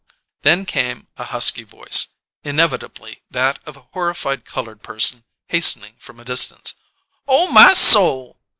_" Then came a husky voice, inevitably that of a horrified coloured person hastening from a distance: "Oh, my soul!"